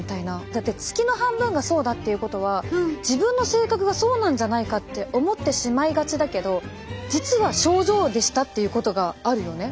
だって月の半分がそうだっていうことは自分の性格がそうなんじゃないかって思ってしまいがちだけど実は症状でしたっていうことがあるよね。